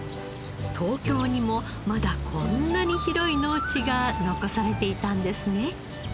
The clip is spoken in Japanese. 東京にもまだこんなに広い農地が残されていたんですね。